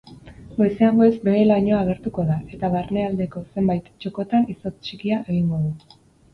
Goizean goiz behe-lainoa agertuko da eta barnealdeko zenbait txokotan izotz txikia egingo du.